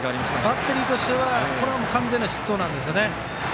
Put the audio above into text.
バッテリーとしてはこれは完全な失投なんですよね。